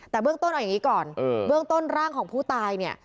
แต่เบื้องต้นเอาอย่างนี้ก่อนเบื้องต้นร่างของผู้ตายเนี่ย